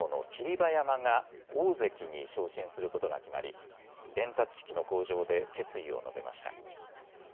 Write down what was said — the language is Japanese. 馬山が大関に昇進することが決まり、伝達式の口上で決意を述べました。